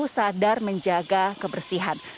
sadar menjaga kebersihan